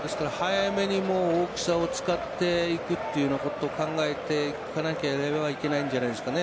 早めに大きさを使っていくことを考えていかなければいけないんじゃないでしょうかね